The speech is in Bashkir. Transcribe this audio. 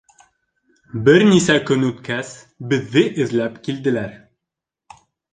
Бер нисә көн үткәс, беҙҙе эҙләп килделәр.